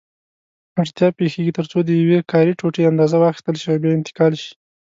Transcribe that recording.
اړتیا پېښېږي ترڅو د یوې کاري ټوټې اندازه واخیستل شي او بیا انتقال شي.